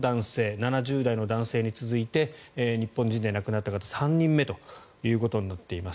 ７０代の男性に続いて日本人で亡くなった方は３人目ということになっています。